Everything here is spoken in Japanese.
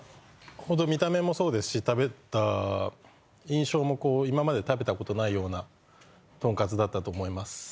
この見た目もそうですし食べた印象も今まで食べたことないようなとんかつだったと思います